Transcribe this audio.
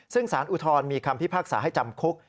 ซึ่งสารอุทธรณมีคำพิพากษาให้จำคุก